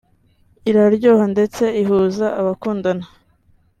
iraryoha ndetse ihuza abakundana